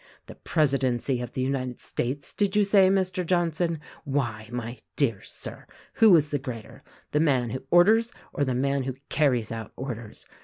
The presidency of the United States, did you say, Mr. John son? Why, my dear Sir, who is the greater, the man who orders or the man who carries out orders.